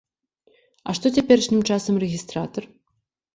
А што цяперашнім часам рэгістратар?